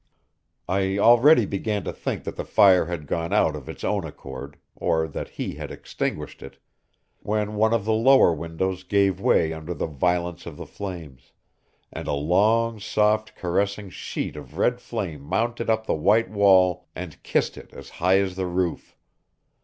I already began to think that the fire had gone out of its own accord, or that he had extinguished it, when one of the lower windows gave way under the violence of the flames, and a long, soft, caressing sheet of red flame mounted up the white wall and kissed it as high as the roof.